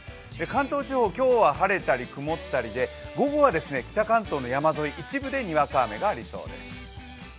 関東地方、今日は晴れたり曇ったりで、午後は北関東の山沿いの一部でにわか雨がありそうです。